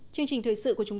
quý vị và các bạn thân mến